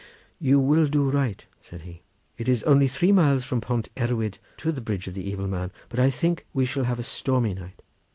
"You will do right," said he; "it is only three miles from Pont Erwydd to the bridge of the evil man, but I think we shall have a stormy night."